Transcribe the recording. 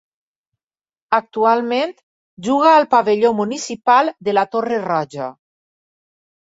Actualment juga al Pavelló Municipal de la Torre Roja.